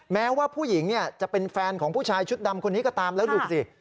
แม้ว่าผู้หญิงจะเป็นแฟนของผู้ชายชุดดำคนนี้ก็ตามแล้วดูสิ